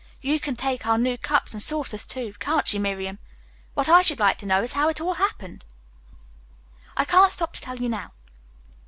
You can take our new cups and saucers, too, can't she, Miriam? What I should like to know is how it all happened." "I can't stop to tell you now.